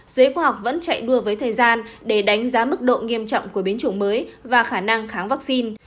giới khoa học vẫn chạy đua với thời gian để đánh giá mức độ nghiêm trọng của biến chủng mới và khả năng kháng vaccine